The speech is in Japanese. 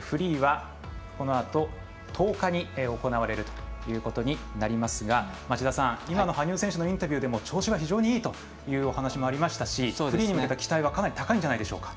フリーはこのあと１０日に行われるということになりますが今の羽生選手のインタビューでも調子は非常にいいというお話がありましたし次に向けた期待もかなり高いんじゃないでしょうか。